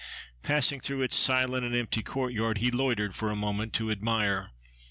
Passing through its silent and empty court yard he loitered for a moment, to admire.